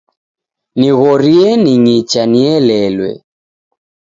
Nighorie ning'icha nielelwe.